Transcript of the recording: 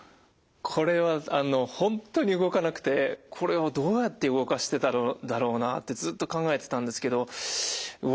これはあの本当に動かなくてこれはどうやって動かしてたんだろうなってずっと考えてたんですけど動かなくて。